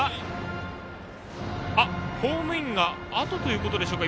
ホームインがあとということでしょうか。